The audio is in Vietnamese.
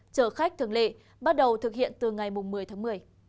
chở khách thường lệ bắt đầu thực hiện từ ngày một mươi tháng một mươi